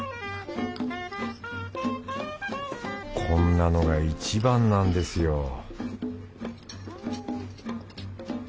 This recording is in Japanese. こんなのがいちばんなんですよ